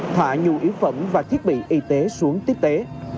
thả nhu yếu phẩm và thiết bị y tế xuống tiếp tế